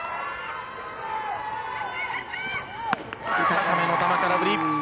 高めの球、空振り。